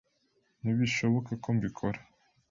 Ntibishoboka ko mbikora.